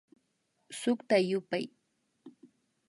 Sukta yupay